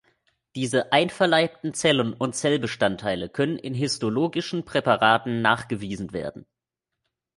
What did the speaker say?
Diese „einverleibten“ Zellen und Zellbestandteile können in histologischen Präparaten nachgewiesen werden.